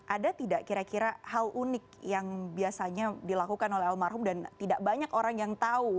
ada tidak kira kira hal unik yang biasanya dilakukan oleh almarhum dan tidak banyak orang yang tahu